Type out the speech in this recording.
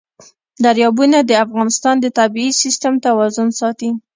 دریابونه د افغانستان د طبعي سیسټم توازن ساتي.